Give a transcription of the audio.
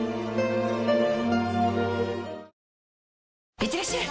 いってらっしゃい！